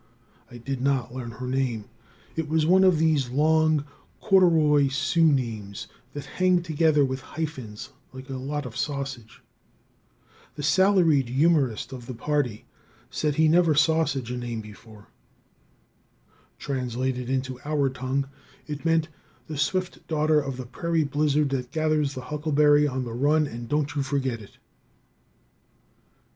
I did not learn her name. It was one of these long, corduroy Sioux names, that hang together with hyphens like a lot of sausage. The salaried humorist of the party said he never sausage a name before. Translated into our tongue it meant The swift daughter of the prairie blizzard that gathers the huckleberry on the run and don't you forget it.